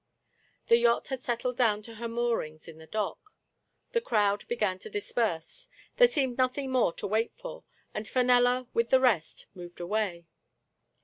The yacht had settled down to her moorings in the dock. The crowd began to disperse — there seemed nothing more to wait for, and Fenella, with the rest, moved away.